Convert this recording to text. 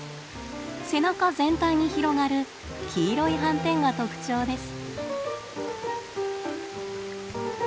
背中全体に広がる黄色い斑点が特徴です。